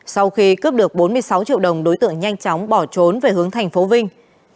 sau khi cướp được bốn mươi sáu triệu đồng đối tượng nhanh chóng bỏ trốn về hướng thành phố vinh